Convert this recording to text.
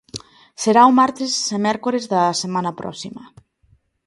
Será o martes e mércores da semana próxima.